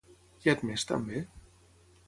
Què ha admès també?